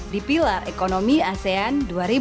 di pilar ekonomi asean dua ribu dua puluh